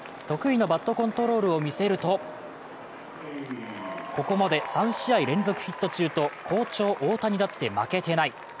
得意のバットコントロールを見せるとここまで３試合連続ヒット中と好調・大谷だって負けていない。